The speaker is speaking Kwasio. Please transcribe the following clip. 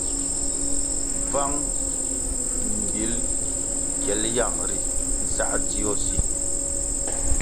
Bvang mbil kyel yang ri nsā dzio si.